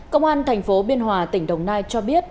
công an tp biên hòa tỉnh đồng nai cho biết